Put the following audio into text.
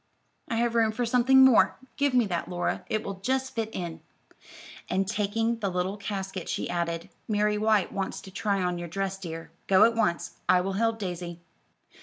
"I have room for something more. Give me that, Laura, it will just fit in;" and taking the little casket, she added, "Mary White wants to try on your dress, dear. Go at once; I will help Daisy."